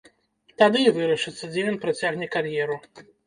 Тады і вырашыцца, дзе ён працягне кар'еру.